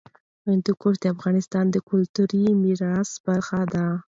هندوکش د افغانستان د کلتوري میراث برخه ده.